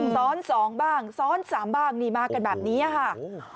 ซ้อนสองบ้างซ้อนสามบ้างมากันแบบนี้ค่ะ